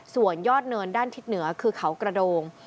ส่วนยอดเนินด้านทิศเหนือคือเขากระโดง